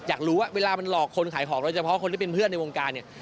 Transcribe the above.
อยากรู้ว่าเวลามันหลอกคนขายของโดยเฉพาะคนที่เป็นเพื่อนในวงการเนี่ย